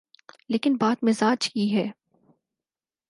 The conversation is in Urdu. لیکن بات مزاج کی ہے۔